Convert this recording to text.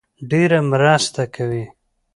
ډېره مرسته کوي